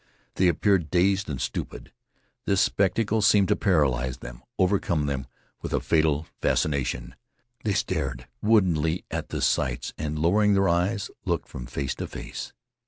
They appeared dazed and stupid. This spectacle seemed to paralyze them, overcome them with a fatal fascination. They stared woodenly at the sights, and, lowering their eyes, looked from face to face.